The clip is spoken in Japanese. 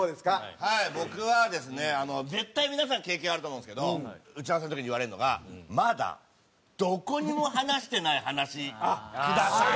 絶対皆さん経験あると思うんですけど打ち合わせの時に言われるのが「まだどこにも話してない話ください」。